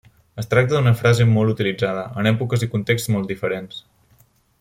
Es tracta d'una frase molt utilitzada, en èpoques i contexts molt diferents.